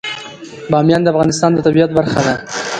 بامیان د افغانستان د طبیعت برخه ده.